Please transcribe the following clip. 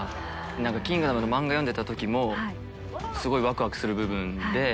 何か『キングダム』の漫画読んでた時もすごいワクワクする部分で。